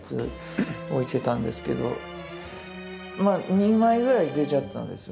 ２枚ぐらい出ちゃったんですよ